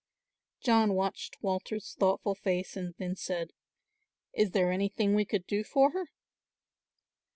John watched Walter's thoughtful face and then said, "Is there anything we could do for her?"